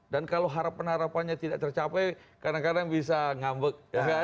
dan kalau harapan harapannya tidak tercapai kadang kadang bisa ngambek